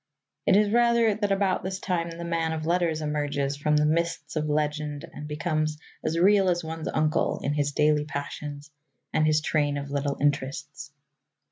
It is rather that about this time the man of letters emerges from the mists of legend and becomes as real as one's uncle in his daily passions and his train of little interests.